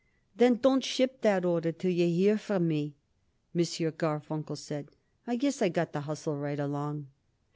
"Then don't ship that order till you hear from me," M. Garfunkel said. "I guess I got to hustle right along."